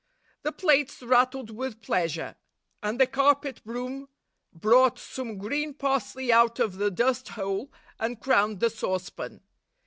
The plates rattled with pleasure, and the carpet broom brought some green parsley out of the dust hole and crowned the saucepan.